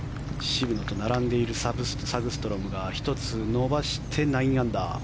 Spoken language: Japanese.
渋野と並んでいるサグストロムが１つ伸ばして、９アンダー。